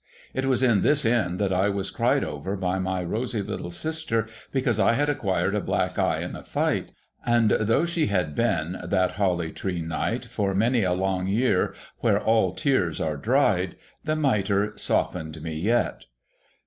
It was in this Inn that I was cried over by my rosy little sister, because I had acquired a black eye in a fight. And though she had been, that Holly Tree night, for many a long year where all tears are dried, the Mitre softened me yet.